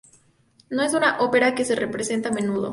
No es una ópera que se represente a menudo.